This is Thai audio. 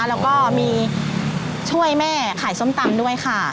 แล้วก็มีช่วยแม่ขายส้มตำด้วยค่ะ